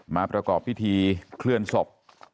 มาประกอบพิธีเคลื่อนศพ